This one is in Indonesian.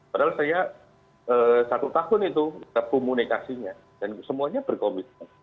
padahal saya satu tahun itu komunikasinya dan semuanya berkomitmen